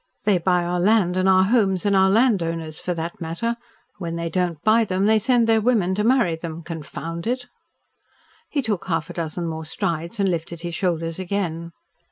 They buy our land and our homes, and our landowners, for that matter when they don't buy them, they send their women to marry them, confound it!" He took half a dozen more strides and lifted his shoulders again.